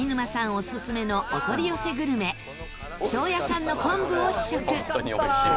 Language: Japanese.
オススメのお取り寄せグルメ庄屋さんの昆布を試食。